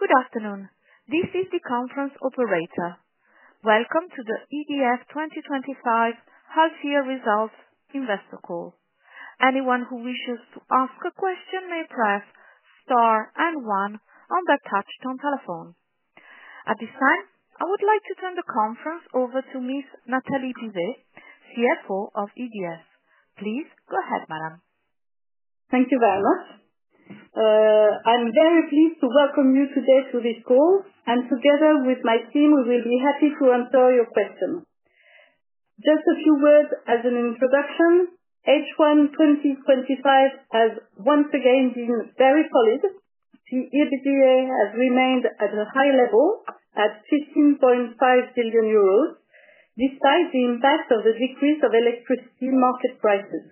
Good afternoon, this is the conference operator. Welcome to the EDF 2025 half-year results investor call. Anyone who wishes to ask a question may press star and one on the touch-tone telephone. At this time, I would like to turn the conference over to Ms. Nathalie Pivet, CFO of EDF. Please go ahead, madam. Thank you very much. I'm very pleased to welcome you today to this call, and together with my team, we will be happy to answer your questions. Just a few words as an introduction: H1 2025 has once again been very solid. The EBITDA has remained at a high level at 15.5 billion euros, despite the impact of the decrease of electricity market prices.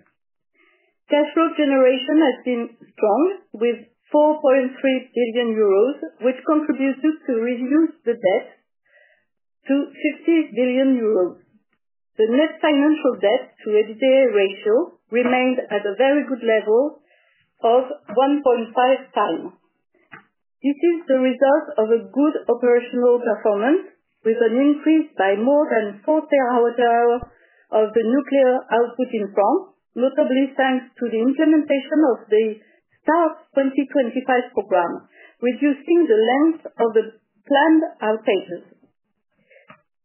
Cash flow generation has been strong, with 4.3 billion euros, which contributed to reduce the debt to 50 billion euros. The net financial debt-to-EBITDA ratio remained at a very good level of 1.5x. This is the result of good operational performance, with an increase by more than 4 TWh of the nuclear output in France, notably thanks to the implementation of the START 2025 program, reducing the length of the planned outages.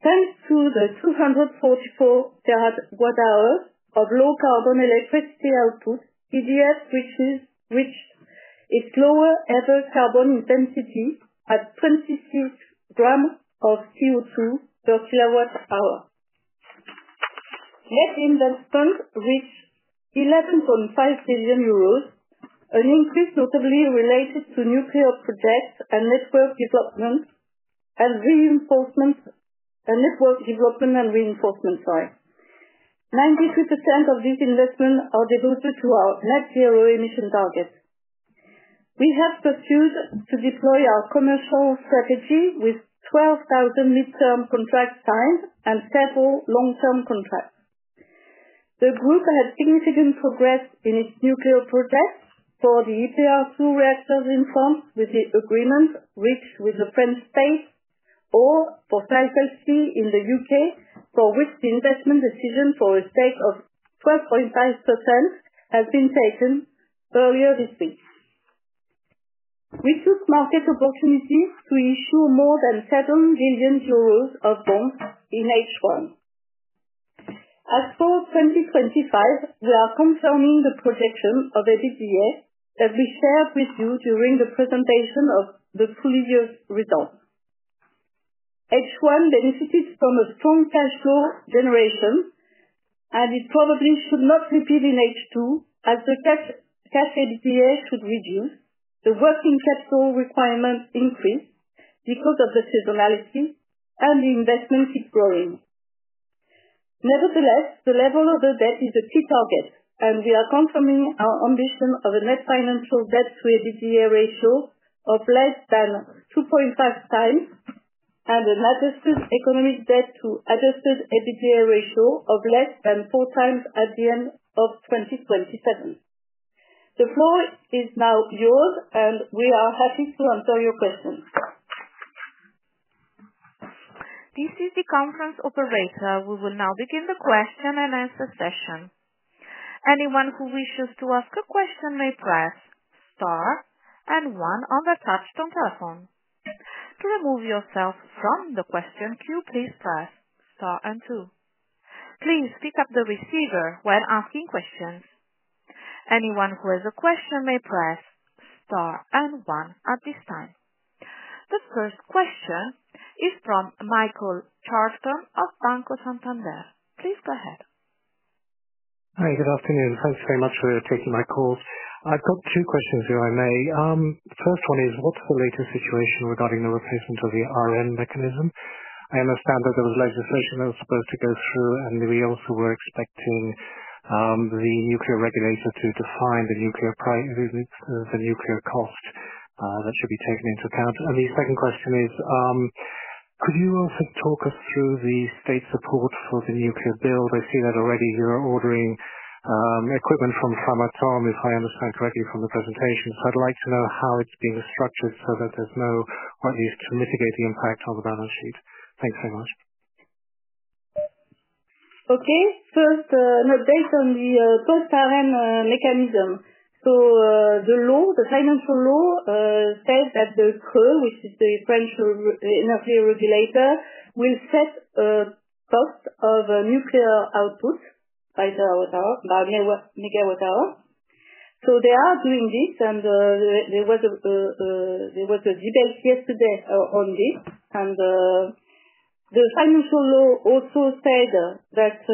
Thanks to the 244 TWh of low-carbon electricity output, EDF reached its lowest-ever carbon intensity at 26 grams of CO2 per kWh. Net investment reached 11.5 billion euros, an increase notably related to nuclear projects and network development and reinforcement sites. 93% of these investments are devoted to our net zero emission target. We have pursued to deploy our commercial strategy with 12,000 mid-term contracts signed and several long-term contracts. The group has had significant progress in its nuclear projects for the EPR2 reactors in France, with the agreement reached with the French state, or for Sizewell C in the U.K., for which the investment decision for a stake of 12.5% has been taken earlier this week. We took market opportunities to issue more than 7 billion euros of bonds in H1. As for 2025, we are confirming the projection of EBITDA that we shared with you during the presentation of the previous results. H1 benefited from a strong cash flow generation. It probably should not repeat in H2, as the cash EBITDA should reduce, the working capital requirement increased because of the seasonality, and the investment keeps growing. Nevertheless, the level of the debt is a key target, and we are confirming our ambition of a net financial debt-to-EBITDA ratio of less than 2.5x and an adjusted economic debt-to-adjusted EBITDA ratio of less than 4x at the end of 2027. The floor is now yours, and we are happy to answer your questions. This is the conference operator. We will now begin the question and answer session. Anyone who wishes to ask a question may press star and one on the touch-tone telephone. To remove yourself from the question queue, please press star and two. Please pick up the receiver when asking questions. Anyone who has a question may press star and one at this time. The first question is from Michael Charlton of Banco Santander. Please go ahead. Hi, good afternoon. Thanks very much for taking my call. I've got two questions, if I may. The first one is, what's the latest situation regarding the replacement of the ARENH mechanism? I understand that there was legislation that was supposed to go through, and we also were expecting the nuclear regulator to define the nuclear cost that should be taken into account. The second question is, could you also talk us through the state support for the nuclear build? I see that already you're ordering equipment from Framatome, if I understand correctly from the presentation. I'd like to know how it's being structured so that there's no, or at least to mitigate the impact on the balance sheet. Thanks very much. Okay. First, an update on the post-ARENH mechanism. The law, the financial law, says that the CRE, which is the French energy regulator, will set a cost of nuclear output by MWh. They are doing this, and there was a debate yesterday on this. The financial law also said that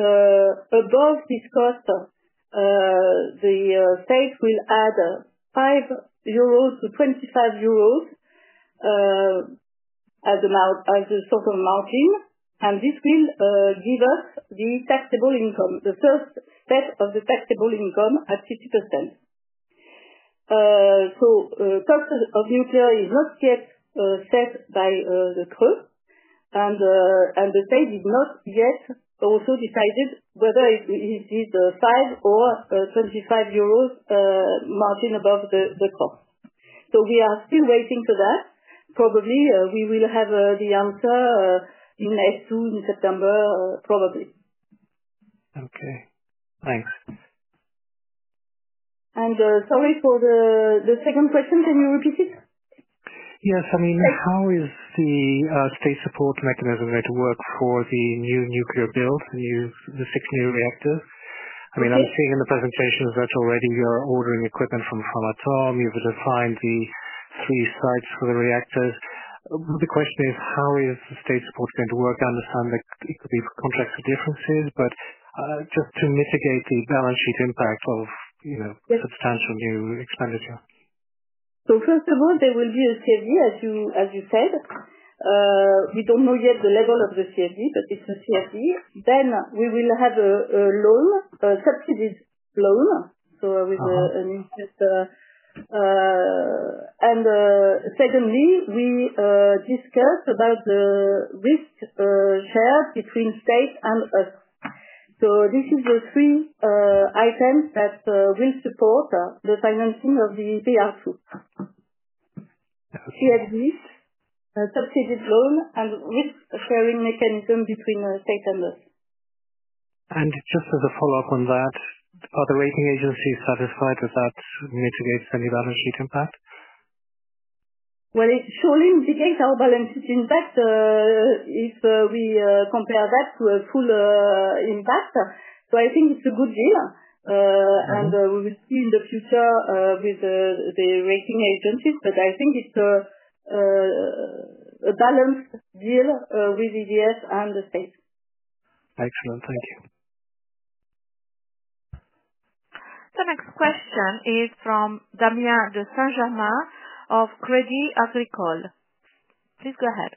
above this cost, the state will add 5-25 euros as a sort of margin, and this will give us the taxable income, the first step of the taxable income at 50%. The cost of nuclear is not yet set by the CRE, and the state has not yet also decided whether it is the 5 or 25 euros margin above the cost. We are still waiting for that. Probably we will have the answer in H2 in September, probably. Okay. Thanks. Sorry for the second question. Can you repeat it? Yes. I mean, how is the state support mechanism going to work for the new nuclear build, the six new reactors? I mean, I'm seeing in the presentations that already you're ordering equipment from Framatome. You've defined the three sites for the reactors. The question is, how is the state support going to work? I understand that it could be contractual differences, but just to mitigate the balance sheet impact of substantial new expenditure. First of all, there will be a CfD, as you said. We do not know yet the level of the CfD, but it is a CfD. We will have a loan, a subsidized loan, so with an interest. Secondly, we discuss the risk share between the state and us. These are the three items that will support the financing of the EPR2. CfD, subsidized loan, and risk-sharing mechanism between the state and us. Just as a follow-up on that, are the rating agencies satisfied that that mitigates any balance sheet impact? It surely mitigates our balance sheet impact. If we compare that to a full impact, I think it's a good deal. We will see in the future with the rating agencies, but I think it's a balanced deal with EDF and the state. Excellent. Thank you. The next question is from Damien de Saint-Germain of Crédit Agricole. Please go ahead.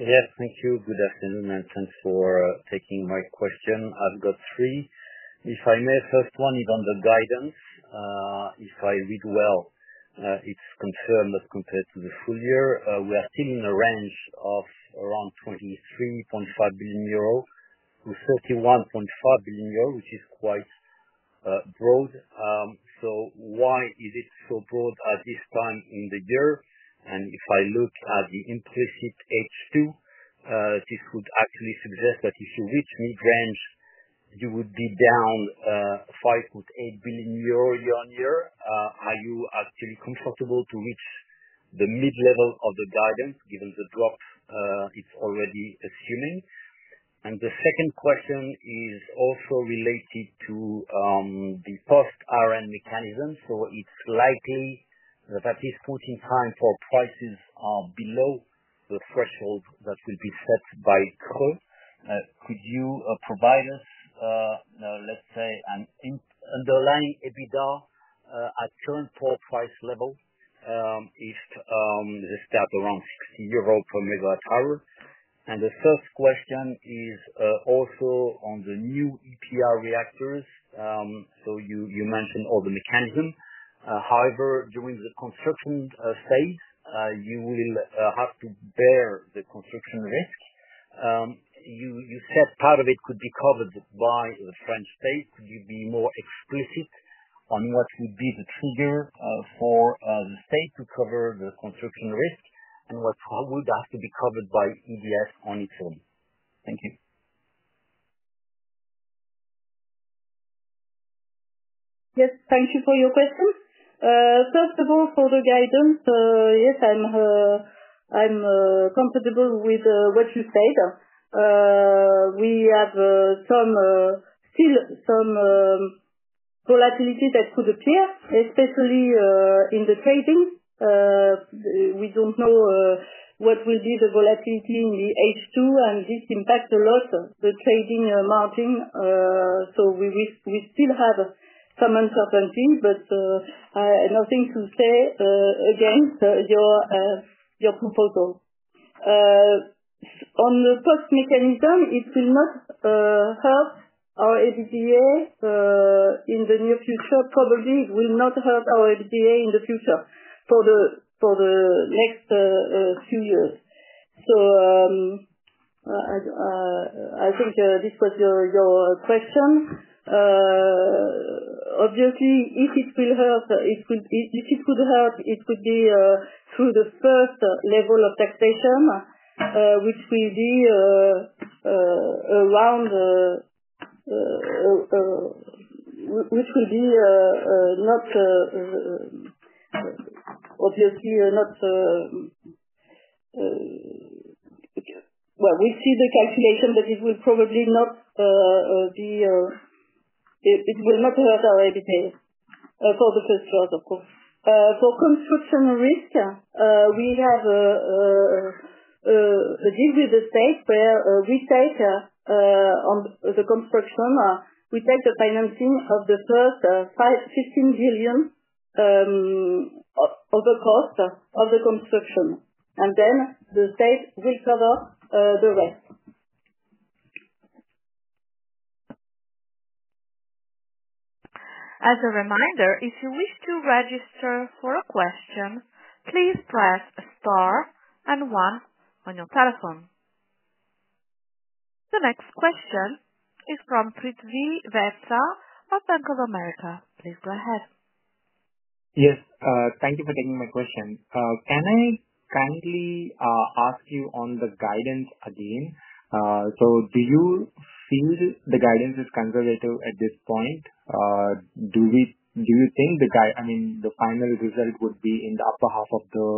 Yes. Thank you. Good afternoon, and thanks for taking my question. I've got three. If I may, the first one is on the guidance. If I read well, it's confirmed as compared to the full year. We are still in a range of around 23.5 billion-41.5 billion euro, which is quite broad. Why is it so broad at this time in the year? If I look at the implicit H2, this would actually suggest that if you reach mid-range, you would be down 5.8 billion euro year-on-year. Are you actually comfortable to reach the mid-level of the guidance, given the drop it's already assuming? The second question is also related to the post-ARENH mechanism. It's likely that at this point in time, power prices are below the threshold that will be set by CRE. Could you provide us, let's say, an underlying EBITDA at current power price level if they start around EUR 60 per MWh? The third question is also on the new EPR reactors. You mentioned all the mechanism. However, during the construction phase, you will have to bear the construction risk. You said part of it could be covered by the French state. Could you be more explicit on what would be the trigger for the state to cover the construction risk, and what would have to be covered by EDF on its own? Thank you. Yes. Thank you for your question. First of all, for the guidance, yes, I'm comfortable with what you said. We have still some volatility that could appear, especially in the trading. We don't know what will be the volatility in the H2, and this impacts a lot the trading margin. We still have some uncertainty, but nothing to say against your proposal. On the post mechanism, it will not hurt our EBITDA in the near future. Probably it will not hurt our EBITDA in the future for the next few years. I think this was your question. Obviously, if it will hurt, if it could hurt, it would be through the first level of taxation, which will be around. Which will be, obviously not. We see the calculation that it will probably not be. It will not hurt our EBITDA for the first year, of course. For construction risk, we have a deal with the state where we take on the construction, we take the financing of the first 15 billion of the cost of the construction, and then the state will cover the rest. As a reminder, if you wish to register for a question, please press star and one on your telephone. The next question is from Prithvi Vetsa of Bank of America. Please go ahead. Yes. Thank you for taking my question. Can I kindly ask you on the guidance again? Do you feel the guidance is conservative at this point? Do you think the, I mean, the final result would be in the upper half of the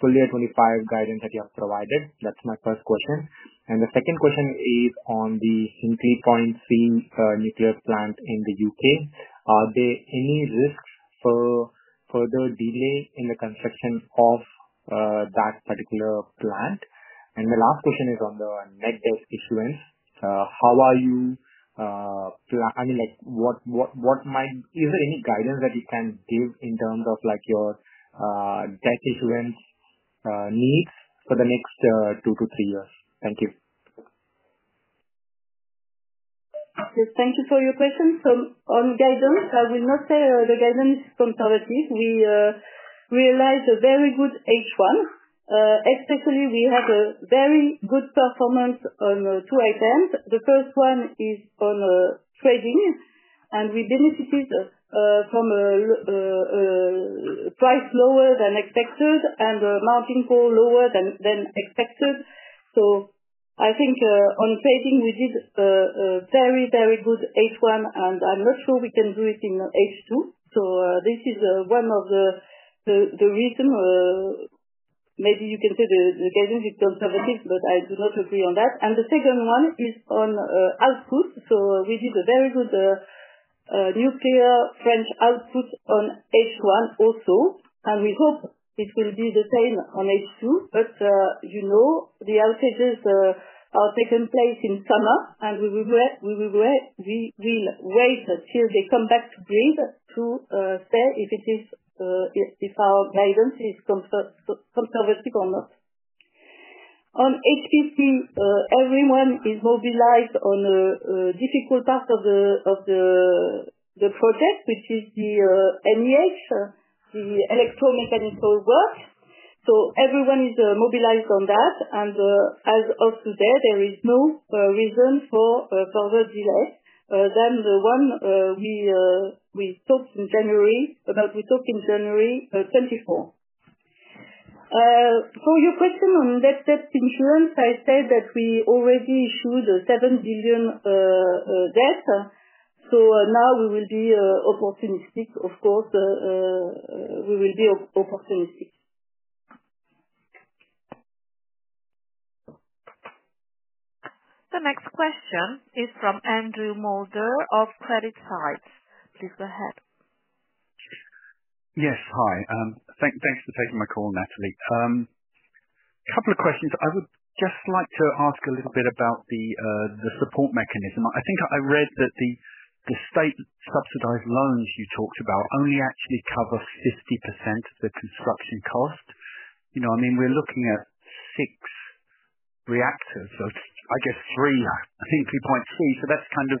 full year 2025 guidance that you have provided? That's my first question. The second question is on the Hinkley Point C nuclear plant in the U.K. Are there any risks for further delay in the construction of that particular plant? The last question is on the net debt issuance. How are you, I mean, what might, is there any guidance that you can give in terms of your debt issuance needs for the next two to three years? Thank you. Yes. Thank you for your question. On guidance, I will not say the guidance is conservative. We realized a very good H1. Especially, we had a very good performance on two items. The first one is on trading, and we benefited from a price lower than expected and a margin call lower than expected. I think on trading, we did a very, very good H1, and I'm not sure we can do it in H2. This is one of the reasons. Maybe you can say the guidance is conservative, but I do not agree on that. The second one is on output. We did a very good nuclear French output on H1 also, and we hope it will be the same on H2. You know the outages are taking place in summer, and we will wait till they come back to grid to say if our guidance is conservative or not. On HPC, everyone is mobilized on a difficult part of the project, which is the MEH, the electromechanical work. Everyone is mobilized on that. As of today, there is no reason for further delay than the one we talked in January about. We talked in January 2024. For your question on net debt issuance, I said that we already issued 7 billion debt. Now we will be opportunistic, of course. We will be opportunistic. The next question is from Andrew Moulder of CreditSights. Please go ahead. Yes. Hi. Thanks for taking my call, Nathalie. A couple of questions. I would just like to ask a little bit about the support mechanism. I think I read that the state-subsidized loans you talked about only actually cover 50% of the construction cost. I mean, we're looking at six reactors, I guess, three Hinkley Point C. So that's kind of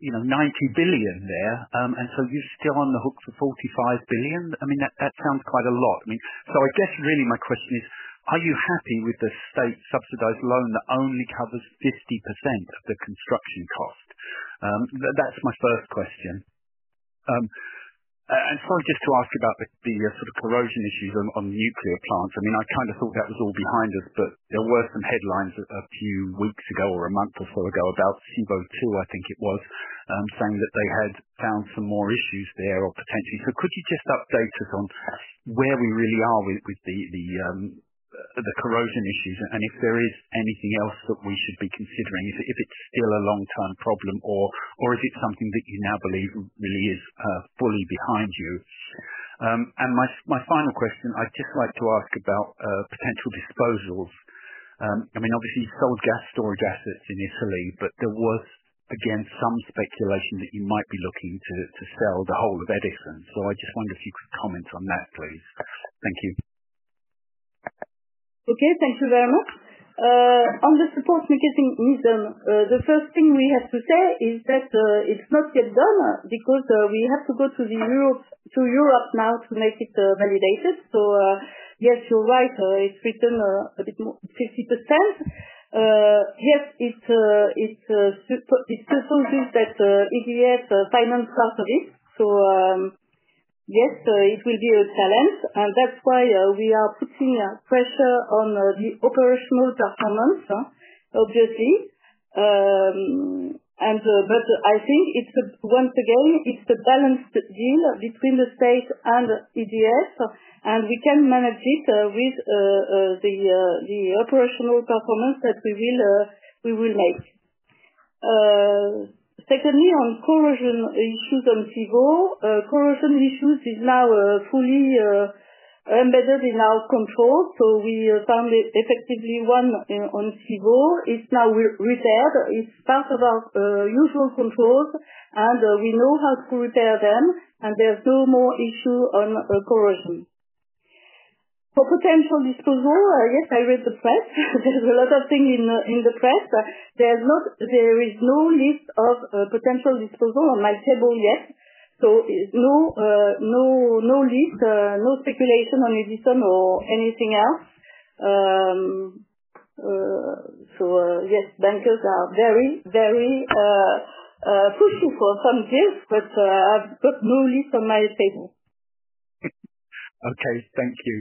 90 billion there. And so you're still on the hook for 45 billion. I mean, that sounds quite a lot. I mean, I guess really my question is, are you happy with the state-subsidized loan that only covers 50% of the construction cost? That's my first question. Sorry, just to ask about the sort of corrosion issues on nuclear plants. I mean, I kind of thought that was all behind us, but there were some headlines a few weeks ago or a month or so ago about CBO2, I think it was, saying that they had found some more issues there or potentially. Could you just update us on where we really are with the corrosion issues and if there is anything else that we should be considering, if it's still a long-term problem, or is it something that you now believe really is fully behind you? My final question, I'd just like to ask about potential disposals. I mean, obviously, you sold gas storage assets in Italy, but there was, again, some speculation that you might be looking to sell the whole of Edison. I just wonder if you could comment on that, please. Thank you. Okay. Thank you very much. On the support mechanism, the first thing we have to say is that it's not yet done because we have to go to Europe now to make it validated. Yes, you're right. It's written a bit more 50%. Yes, it is supposed to be that EDF finance part of it. Yes, it will be a challenge. That's why we are putting pressure on the operational performance, obviously. I think, once again, it's a balanced deal between the state and EDF, and we can manage it with the operational performance that we will make. Secondly, on corrosion issues on CBO, corrosion issues are now fully embedded in our control. We found effectively one on CBO. It's now repaired. It's part of our usual controls, and we know how to repair them, and there's no more issue on corrosion. For potential disposal, yes, I read the press. There's a lot of things in the press. There is no list of potential disposal on my table yet. No list, no speculation on Edison or anything else. Yes, bankers are very, very pushy for some deals, but I've got no list on my table. Okay. Thank you.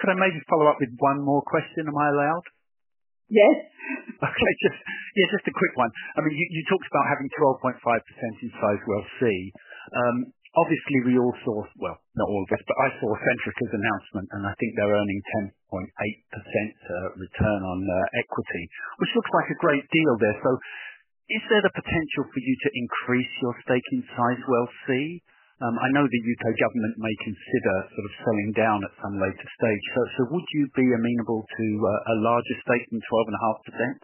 Could I maybe follow up with one more question? Am I allowed? Yes. Okay. Yeah. Just a quick one. I mean, you talked about having 12.5% in Sizewell C. Obviously, we all saw, well, not all of us, but I saw Centrica's announcement, and I think they're earning 10.8% return on equity, which looks like a great deal there. Is there the potential for you to increase your stake in Sizewell C? I know the U.K. government may consider sort of selling down at some later stage. Would you be amenable to a larger stake than 12.5%?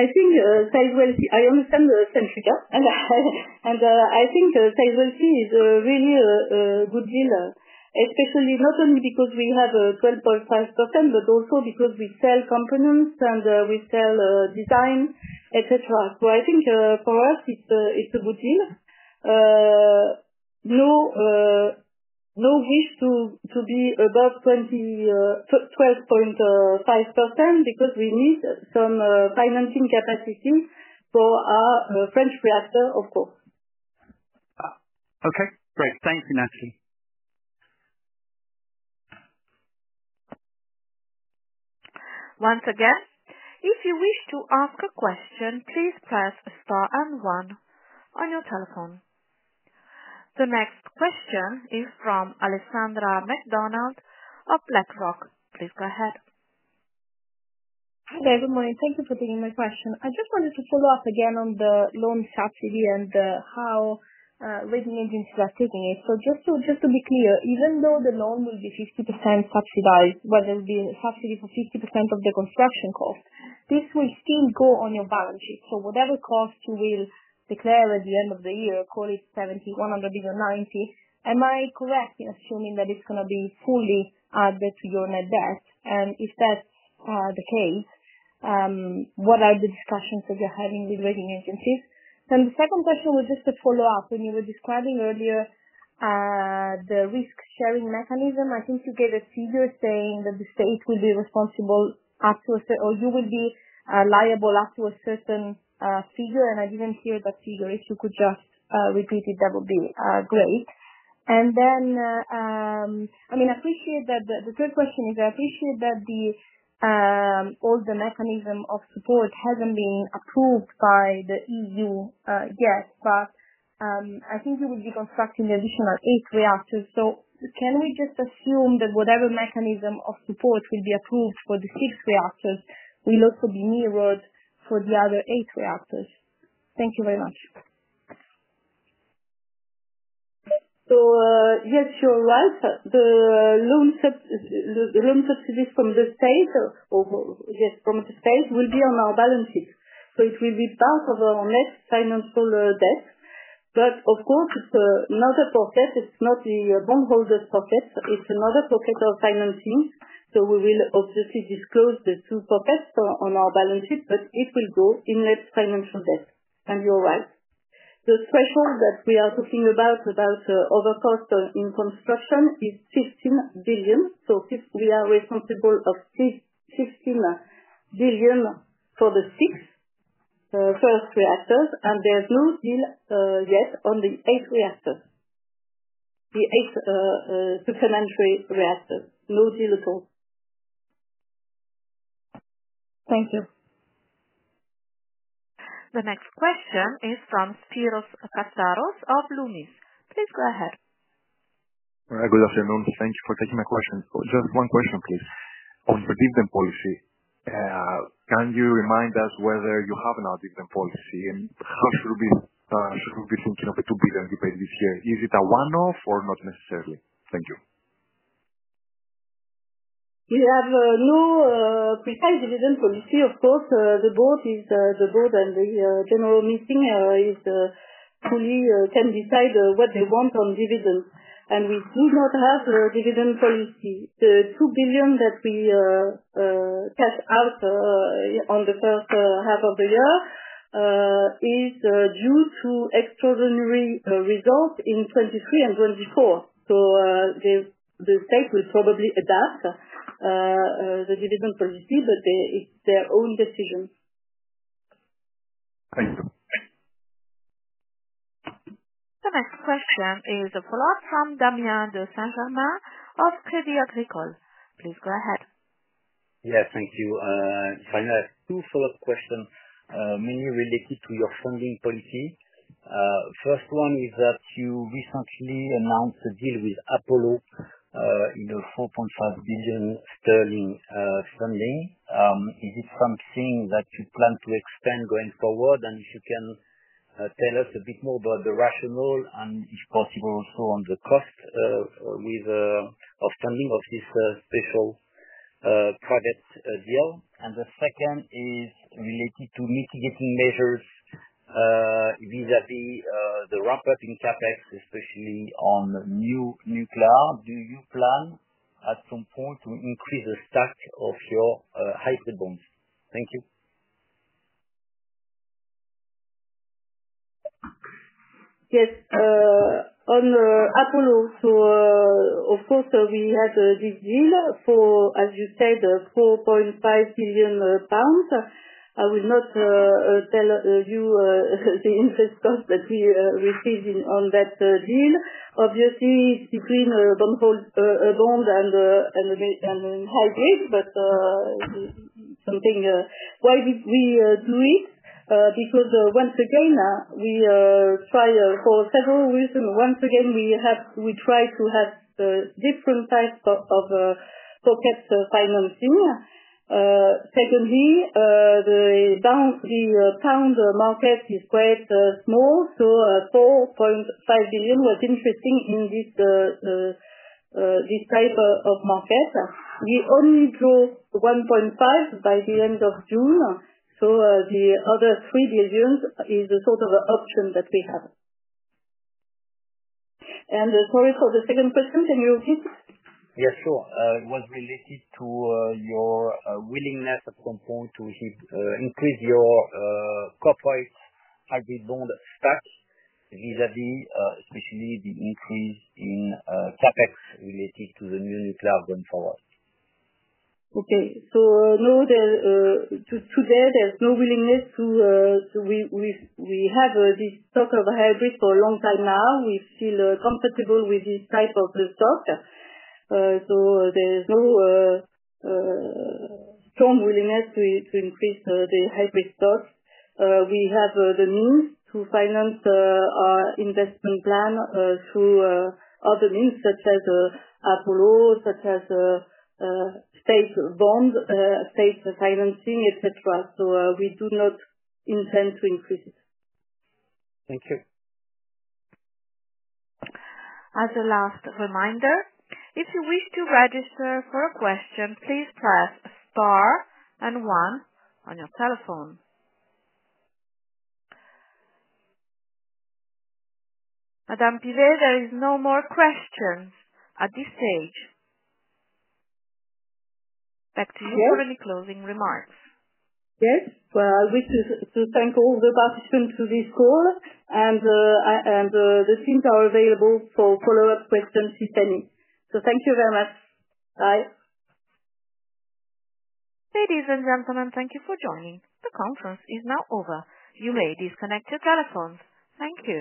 I think Sizewell C. I understand Centrica. I think Sizewell C is really a good deal, especially not only because we have 12.5%, but also because we sell components and we sell design, etc. I think for us, it is a good deal. No wish to be above 12.5% because we need some financing capacity for our French reactor, of course. Okay. Great. Thank you, Nathalie. Once again, if you wish to ask a question, please press star and one on your telephone. The next question is from Alessandra Mac Donald of BlackRock. Please go ahead. Hi, everyone. Thank you for taking my question. I just wanted to follow up again on the loan subsidy and how rating agencies are taking it. Just to be clear, even though the loan will be 50% subsidized, whether it be a subsidy for 50% of the construction cost, this will still go on your balance sheet. Whatever cost you will declare at the end of the year, call it 71 billion, 90 billion, am I correct in assuming that it's going to be fully added to your net debt? If that's the case, what are the discussions that you're having with rating agencies? The second question was just a follow-up. When you were describing earlier the risk-sharing mechanism, I think you gave a figure saying that the state will be responsible up to a certain or you will be liable up to a certain figure. I didn't hear that figure. If you could just repeat it, that would be great. I mean, I appreciate that the third question is, I appreciate that all the mechanism of support hasn't been approved by the EU yet, but I think you will be constructing the additional eight reactors. Can we just assume that whatever mechanism of support will be approved for the six reactors will also be mirrored for the other eight reactors? Thank you very much. Yes, you're right. The loan subsidies from the state, yes, from the state, will be on our balance sheet. It will be part of our net financial debt. Of course, it's not a pocket, it's not the bondholders' pocket, it's another pocket of financing. We will obviously disclose the two pockets on our balance sheet, but it will go in net financial debt. You're right. The threshold that we are talking about, about overcost in construction, is 15 billion. We are responsible for 15 billion for the six first reactors, and there's no deal yet on the eight reactors, the eight second entry reactors. No deal at all. Thank you. The next question is from Spyros Katsaros of Loomis. Please go ahead. Good afternoon. Thank you for taking my question. Just one question, please. On the dividend policy. Can you remind us whether you have an out-dividend policy, and how should we be thinking of the 2 billion you paid this year? Is it a one-off or not necessarily? Thank you. We have no precise dividend policy. Of course, the board and the general meeting can decide what they want on dividends. We do not have a dividend policy. The 2 billion that we cash out on the first half of the year is due to extraordinary results in 2023 and 2024. The state will probably adapt the dividend policy, but it is their own decision. Thank you. The next question is a follow-up from Damien de Saint-Germain of Crédit Agricole. Please go ahead. Yes. Thank you. I have two follow-up questions, mainly related to your funding policy. The first one is that you recently announced a deal with Apollo in a 4.5 billion sterling funding. Is it something that you plan to expand going forward? If you can tell us a bit more about the rationale and, if possible, also on the cost of funding of this special private deal. The second is related to mitigating measures vis-à-vis the ramp-up in CapEx, especially on new nuclear. Do you plan at some point to increase the stack of your hybrid bonds? Thank you. Yes. On Apollo, of course, we had this deal for, as you said, 4.5 billion pounds. I will not tell you the interest cost that we received on that deal. Obviously, it is between a bond and hybrid, but why did we do it? Because, once again, we try for several reasons. Once again, we try to have different types of pocket financing. Secondly, the pound market is quite small. So 4.5 billion was interesting in this type of market. We only draw 1.5 billion by the end of June. The other 3 billion is a sort of an option that we have. Sorry for the second question. Can you repeat it? Yes, sure. It was related to your willingness at some point to increase your corporate hybrid bond stack vis-à-vis especially the increase in CapEx related to the new nuclear going forward. Okay. Today, there's no willingness to. We have this stock of hybrid for a long time now. We feel comfortable with this type of stock. There's no strong willingness to increase the hybrid stock. We have the means to finance our investment plan through other means, such as Apollo, such as state bond, state financing, etc. We do not intend to increase it. Thank you. As a last reminder, if you wish to register for a question, please press star and one on your telephone. Madame Pivet, there are no more questions at this stage. Back to you for any closing remarks. Yes. I wish to thank all the participants of this call. The teams are available for follow-up questions if any. Thank you very much. Bye. Ladies and gentlemen, thank you for joining. The conference is now over. You may disconnect your telephones. Thank you.